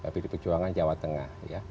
pd perjuangan jawa tengah